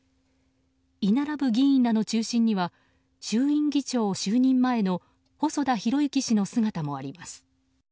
居並ぶ議員らの中心には衆院議長就任前の細田博之氏の姿もあります。